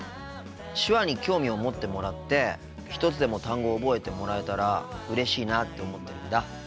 手話に興味を持ってもらって一つでも単語を覚えてもらえたらうれしいなって思ってるんだ。